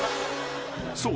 ［そう。